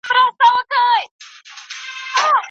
ګورستان ته مي ماشوم خپلوان لېږلي